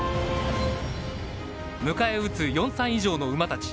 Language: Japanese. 迎え撃つ、４歳以上の馬たち。